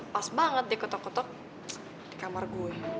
pas banget dia ketok ketok di kamar gue